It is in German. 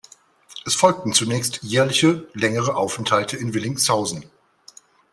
Es folgten zunächst jährliche längere Aufenthalte in Willingshausen.